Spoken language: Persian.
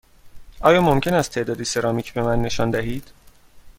آیا ممکن است تعدادی سرامیک به من نشان بدهید؟